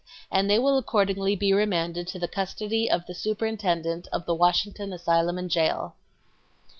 . and they will accordingly be remanded to the custody of the Superintendent of the Washington Asylum and Jail."